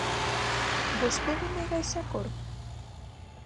¿Vostede nega ese acordo?